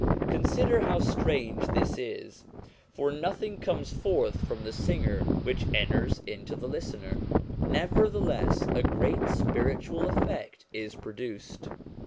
Consider how strange this 286 SOME ANSWERED QUESTIONS is, for nothing comes forth from the singer which enters into the listener ; nevertheless, a great spiritual effect is produced.